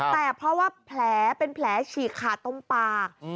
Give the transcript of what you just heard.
แต่เพราะว่าแผลเป็นแผลฉีกขาดตรงปาก